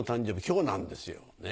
今日なんですよ。